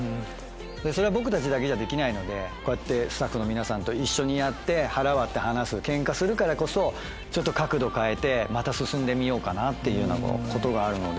でそれは僕たちだけじゃできないのでこうやってスタッフの皆さんと一緒にやって腹割って話すケンカするからこそちょっと角度変えてまた進んでみようかなっていうようなことがあるので。